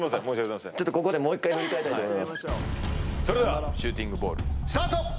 それではシューティングボールスタート！